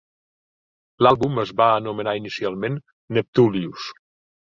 L'àlbum es va anomenar inicialment "Neptulius".